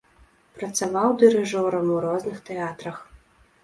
Працаваў дырыжорам у розных тэатрах.